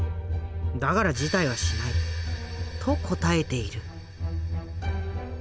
だから辞退はしない」と答えている。